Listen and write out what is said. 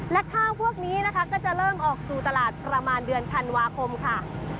และข้าวพวกนี้นะคะก็จะเริ่มออกสู่ตลาดประมาณเดือนธันวาคมค่ะ